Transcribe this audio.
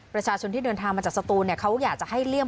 ประชาชนที่เดินทางมาจากสตูนเขาอยากจะให้เลี่ยง